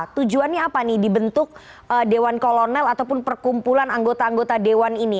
tujuannya apa nih dibentuk dewan kolonel ataupun perkumpulan anggota anggota dewan ini